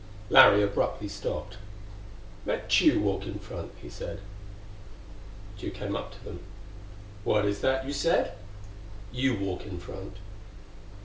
Larry abruptly stopped. "Let Tugh walk in front," he said. Tugh came up to them. "What is that you said?" "You walk in front."